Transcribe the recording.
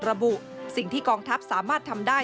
ระบุสิ่งที่กองทัพสามารถทำได้